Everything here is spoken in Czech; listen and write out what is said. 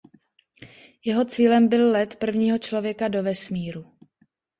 Jeho cílem byl let prvního člověka do vesmíru.